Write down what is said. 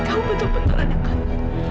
kamu betul betul anak kami